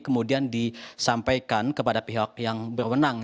kemudian disampaikan kepada pihak yang berwenang